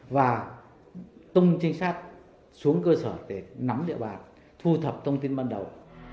và tung trinh sát xuống cơ sở để nắm địa bàn thu thập thông tin ban đầu